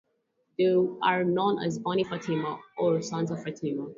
They are known as Bani Fatima or sons of Fatima.